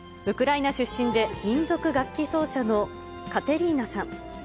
ウクライナ出身で民族楽器奏者のカテリーナさん。